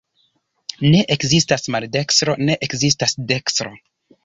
Ne ekzistas maldekstro, ne ekzistas dekstro.